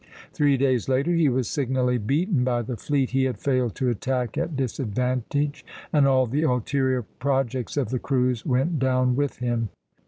Three days later he was signally beaten by the fleet he had failed to attack at disadvantage, and all the ulterior projects of the cruise went down with him.